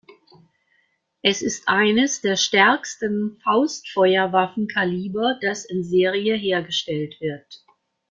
Es ist eines der stärksten Faustfeuerwaffen-Kaliber, das in Serie hergestellt wird.